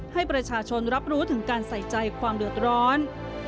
ให้ประชาชนรับรู้ถึงการใส่ใจความเดือดร้อน